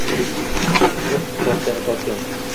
“uh” tortgani-tortgan;